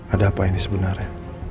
ada apa ini sebenarnya